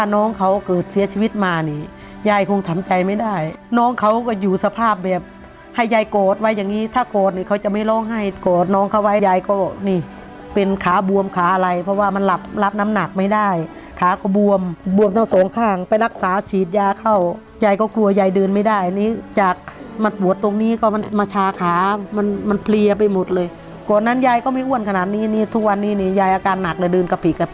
น้องเขาก็อยู่สภาพแบบให้ยายโกรธไว้อย่างงี้ถ้าโกรธนี่เขาจะไม่ร้องให้โกรธน้องเขาไว้ยายก็นี่เป็นขาบวมขาอะไรเพราะว่ามันหลับหลับน้ำหนักไม่ได้ขาก็บวมบวมต้องสองข้างไปรักษาฉีดยาเข้ายายก็กลัวยายดื่นไม่ได้อันนี้จากมันหัวตรงนี้ก็มันมาชาขามันมันเพลียไปหมดเลยก่อนนั้นยายก็ไม่อ้วนขนาดน